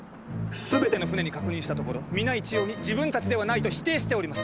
全ての船に確認したところ皆一様に自分たちではないと否定しております。